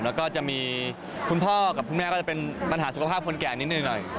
แล้วก็จะมีคุณพ่อกับคุณแม่ก็จะเป็นปัญหาสุขภาพคนแก่นิดหน่อย